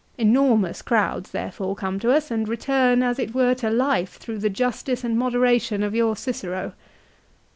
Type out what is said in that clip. Enormous crowds therefore come to us, and return as it were to life through the justice and moderation of your Cicero.